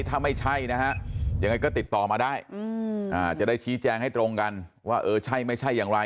ถ้าไม่ใช่นะฮะยังไงก็ติดต่อมาได้จะได้ชี้แจงให้ตรงกันว่าเออใช่ไม่ใช่อย่างไร